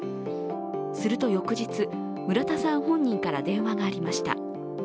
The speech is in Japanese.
すると翌日、村田さん本人から電話がありました。